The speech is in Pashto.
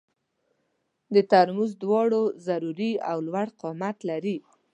تر مونږ دواړو ضروري او لوړ قامت لري